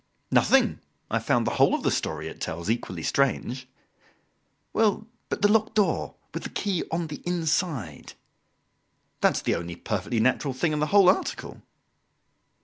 "Nothing, I have found the whole of the story it tells equally strange." "Well, but the locked door with the key on the inside?" "That's the only perfectly natural thing in the whole article."